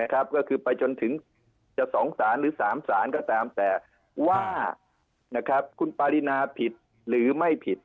นะครับก็คือไปจนถึงจะสองสารหรือสามสารก็ตามแต่ว่านะครับคุณปารินาผิดหรือไม่ผิด